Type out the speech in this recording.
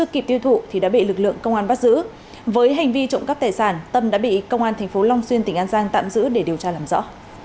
tiêu thụ thì đã bị lực lượng công an bắt giữ với hành vi trộm cắp tài sản tâm đã bị công an tp long xuyên tỉnh an giang tạm giữ để điều tra làm rõ